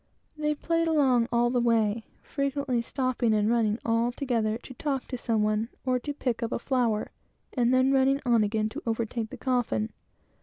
They played along on the way, frequently stopping and running all together to talk to some one, or to pick up a flower, and then running on again to overtake the coffin.